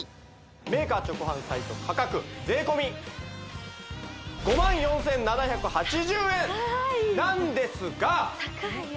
メーカー直販サイト価格税込５４７８０円高いなんですが高いよ